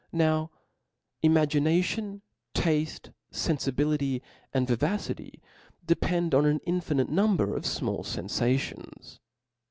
Now imagination, tafte, fenfibility, and vivacity, depend on an infinite number of fmall fenfations.